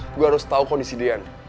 gue harus tahu kondisi dian